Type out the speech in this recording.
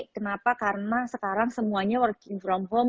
kenapa karena sekarang semuanya working from home